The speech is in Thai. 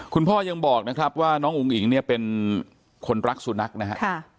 คุณพ่อยังบอกนะครับว่าน้องอุ๋งอิ๋งเนี่ยเป็นคนรักสุนัขนะครับ